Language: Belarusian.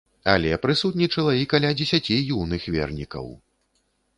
Але прысутнічала і каля дзесяці юных вернікаў.